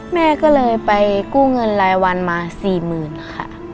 แม่ก็เลยไปกู้เงินรายวันมาสี่หมื่นค่ะ